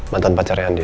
mantan pacarnya andin